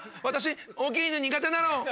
私大きい犬苦手なの。